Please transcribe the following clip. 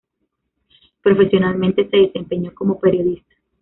Profesionalmente, se desempeñó como periodista.